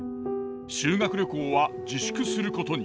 修学旅行は自粛することに。